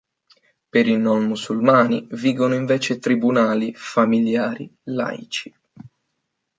Per i non musulmani vigono invece tribunali familiari laici.